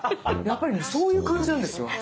やっぱりねそういう感じなんですよ。